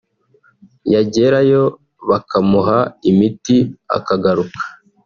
yagerayo bakamuha imiti akagaruka